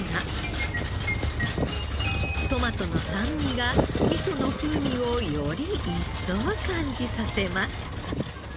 トマトの酸味が味噌の風味をより一層感じさせます。